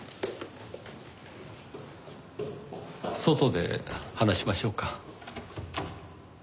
外で話しましょうか。